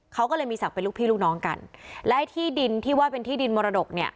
เขาก็เลยมีศักดิ์เป็นลูกพี่ลูกน้องกันและไอ้ที่ดินที่ว่าเป็นที่ดินมรดกเนี่ย